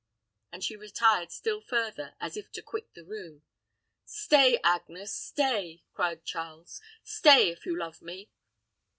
And she retired still further, as if to quit the room. "Stay, Agnes, stay!" cried Charles. "Stay, if you love me!"